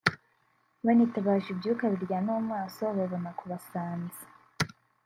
banitabaje ibyuka biryana mu maso babona kubasanza